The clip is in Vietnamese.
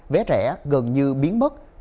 vé rẻ gần như biến mất